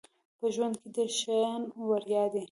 په ژوند کې ډیر شیان وړيا دي